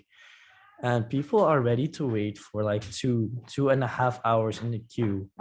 dan kami sudah menunggu dua lima jam lagi untuk membelinya di tongtong fair di the hague